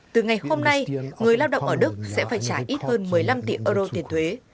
từ ngày hôm nay người lao động ở đức sẽ phải trả ít hơn một mươi năm tỷ euro tiền thuế